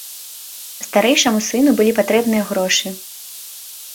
Старэйшаму сыну былі патрэбныя грошы.